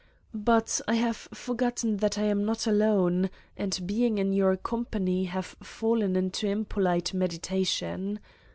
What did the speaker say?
...... But I have forgotten that I am not alone 150 Satan's Diary and being in your company have fallen into im polite meditation.